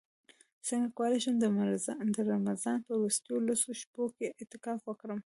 څنګه کولی شم د رمضان په وروستیو لسو شپو کې اعتکاف وکړم